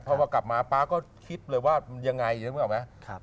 เพราะว่ากลับมาป๊าก็คิดเลยว่ามันยังไงนึกออกไหม